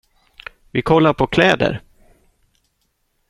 Vi kollar på kläder.